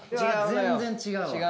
全然違うわ。